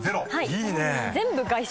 いいね！